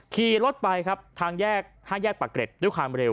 ขี่รถไปทางแยกปากเกร็จด้วยความเร็ว